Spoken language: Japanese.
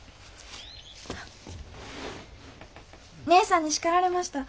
姐さんに叱られました。